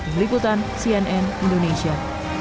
meliputan cnn indonesia